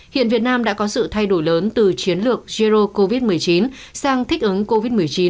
hiện việt nam đã có sự thay đổi lớn từ chiến lược zero covid một mươi chín sang thích ứng covid một mươi chín